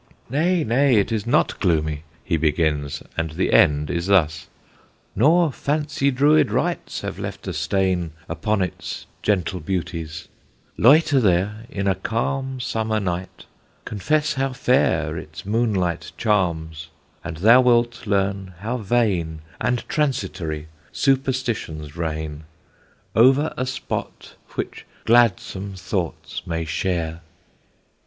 "Nay, nay, it is not gloomy" he begins, and the end is thus: Nor fancy Druid rites have left a stain Upon its gentle beauties: loiter there In a calm summer night, confess how fair Its moonlight charms, and thou wilt learn how vain And transitory Superstition's reign Over a spot which gladsome thoughts may share.